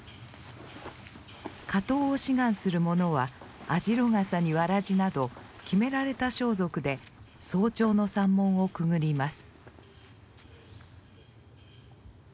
掛搭を志願する者は網代笠にわらじなど決められた装束で早朝の山門をくぐります。